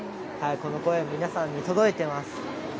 この声、皆さんに届いています。